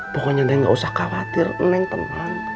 pokoknya neng tidak usah khawatir neng teman